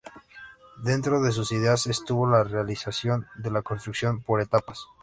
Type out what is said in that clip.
Dentro de sus ideas, estuvo la realización de la construcción por etapas.